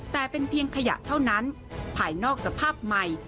แต่เป็นเพียงขยะเท่านั้นภายนอกสภาพใหม่